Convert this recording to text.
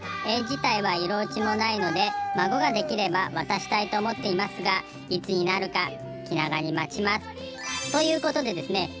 絵自体は色落ちもないので孫ができれば渡したいと思っていますが何時になるか気長に待ちます」。ということでですね